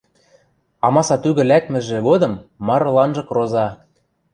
амаса тӱгӹ лӓкмӹжӹ годым марыланжы кроза: